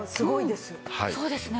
そうですね。